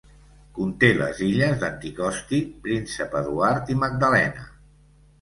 Conté les illes d'Anticosti, Príncep Eduard i Magdalena.